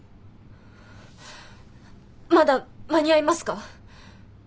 まだ間に合いますか？